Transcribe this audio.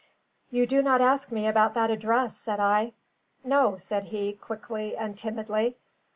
"You do not ask me about that address," said I. "No," said he, quickly and timidly.